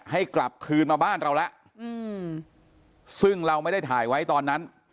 ให้กลับคืนมาบ้านเราแล้วซึ่งเราไม่ได้ถ่ายไว้ตอนนั้น